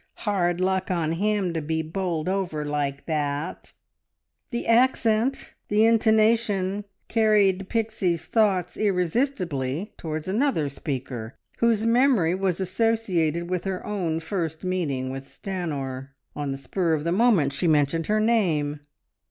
Hard luck on him to be bowled over like that!" The accent, the intonation carried Pixie's thoughts irresistibly towards another speaker, whose memory war associated with her own first meeting with Stanor. On the spur of the moment she mentioned her name.